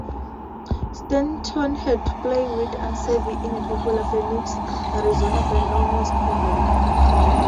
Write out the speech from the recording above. Stanton had played with Aceves in a popular Phoenix, Arizona band known as Poland.